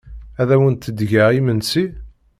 Ad awent-d-geɣ imensi?